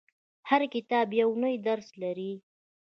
• هر کتاب یو نوی درس لري.